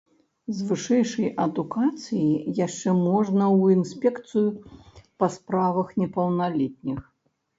З вышэйшай адукацыяй яшчэ можна ў інспекцыю па справах непаўналетніх.